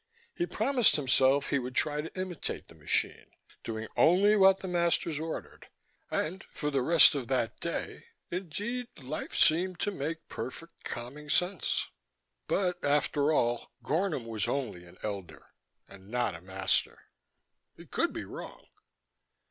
He promised himself he would try to imitate the machine, doing only what the masters ordered. And for the rest of that day, indeed, life seemed to make perfect calming sense. But, after all, Gornom was only an elder and not a master. He could be wrong.